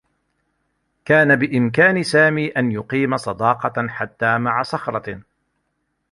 كان بإمكان سامي أن يقيم صداقة حتّى مع صخرة.